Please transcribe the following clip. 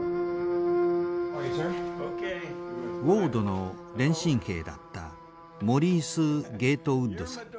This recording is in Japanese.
ウォードの電信兵だったモリース・ゲートウッドさん。